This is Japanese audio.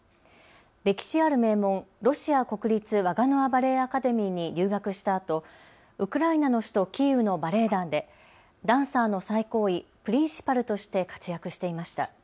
歴史ある名門、ロシア国立ワガノワ・バレエ・アカデミーに留学したあとウクライナの首都キーウのバレエ団でダンサーの最高位、プリンシパルとして活躍していました。